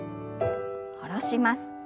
下ろします。